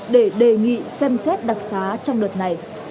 để đề nghị xem xét đặc xá trong đợt này